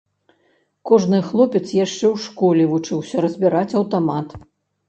Кожны хлопец яшчэ ў школе вучыўся разбіраць аўтамат.